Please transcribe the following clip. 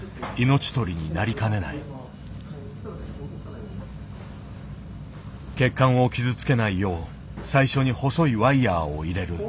血管を傷つけないよう最初に細いワイヤーを入れる。